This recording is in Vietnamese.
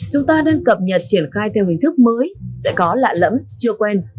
chúng ta đang cập nhật triển khai theo hình thức mới sẽ có lạ lẫm chưa quen